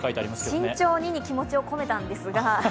「慎重に」に気持ちを込めたんですが。